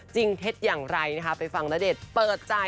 เท็จอย่างไรนะคะไปฟังณเดชน์เปิดใจ